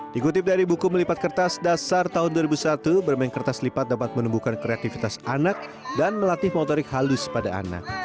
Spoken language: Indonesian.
dikutip dari buku melipat kertas dasar tahun dua ribu satu bermain kertas lipat dapat menumbuhkan kreativitas anak dan melatih motorik halus pada anak